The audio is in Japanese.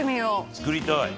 作りたい。